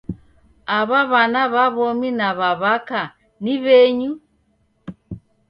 Aw'a w'ana w'a w'omi na w'a w'aka ni w'enyu?